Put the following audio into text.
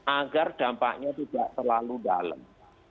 agar dampaknya tidak terlalu dalam